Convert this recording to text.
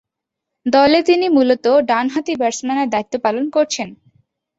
দলে তিনি মূলতঃ ডানহাতি ব্যাটসম্যানের দায়িত্ব পালন করছেন।